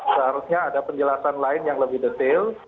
seharusnya ada penjelasan lain yang lebih detail